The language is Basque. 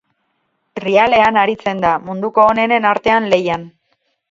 Trialean aritzen da, munduko onenen artean lehian.